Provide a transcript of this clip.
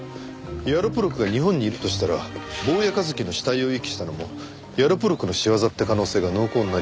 ヤロポロクが日本にいるとしたら坊谷一樹の死体を遺棄したのもヤロポロクの仕業って可能性が濃厚になりません？